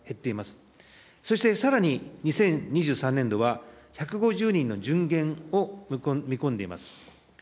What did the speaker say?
そしてさらに、２０２３年度は１５０人の純減を見込んでいます。